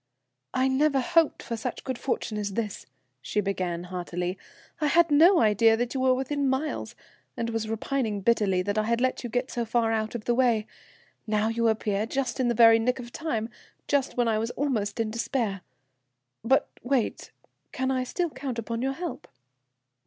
"I never hoped for such good fortune as this," she began heartily. "I had no idea you were within miles, and was repining bitterly that I had let you get so far out of the way. Now you appear in the very nick of time, just when I was almost in despair. But wait. Can I still count upon your help?"